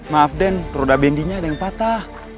maaf den roda bendinya ada yang patah